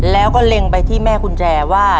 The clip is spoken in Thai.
แล้วก็เล็งไปที่แม่กุญแจว่า